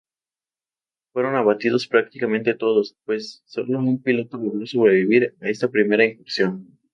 Fueron abatidos prácticamente todos, pues solo un piloto logró sobrevivir a esta primera incursión.